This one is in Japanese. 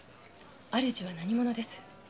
主は何者です。